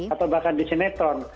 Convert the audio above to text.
atau bahkan di sinetron